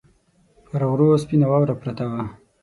پر غرو سپینه واوره پرته وه